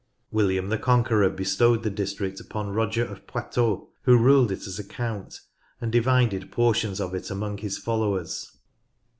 William the Conqueror bestowed the district upon Roger of Poitou, who ruled it as a count, and divided portions of it among his followers.